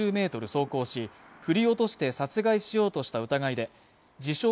走行し振り落として殺害しようとした疑いで自称